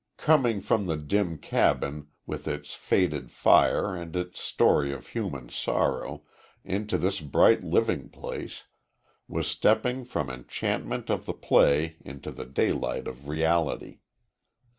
Coming from the dim cabin, with its faded fire and its story of human sorrow, into this bright living place, was stepping from enchantment of the play into the daylight of reality.